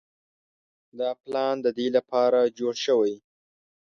دا پلان د دې لپاره جوړ شوی.